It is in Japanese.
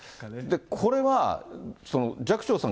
これは寂聴さん